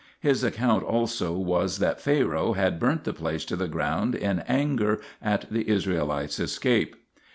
His account also was that Pharaoh had burnt the place to the ground in anger at the Israelites' escape.